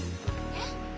えっ？